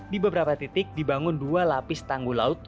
di beberapa titik dibangun dua lapis tanggul laut